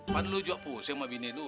padahal lu juga pusing sama bini lu